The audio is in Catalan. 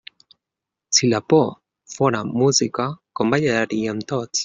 Si la por fóra música, com ballaríem tots.